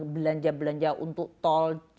belanja belanja untuk tol